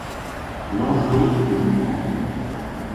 Langelot le lui emprunte.